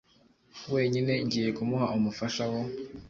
wenyine ngiye kumuha umufasha wo